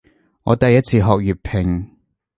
我第一次學粵拼